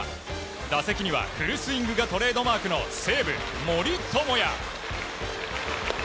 打席にはフルスイングがトレードマークの西武、森友哉。